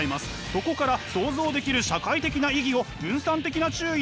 そこから想像できる社会的な意義を分散的な注意で見つけてみましょう。